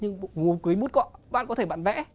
nhưng một cái bút cọ bạn có thể bạn vẽ